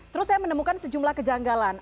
terus saya menemukan sejumlah kejanggalan